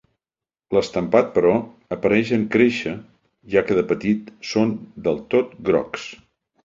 L'estampat, però, apareix en créixer, ja que de petit són del tot grocs.